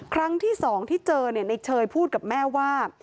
ครั้งที่๒ที่เจอในเชยพูดกับแม่ว่า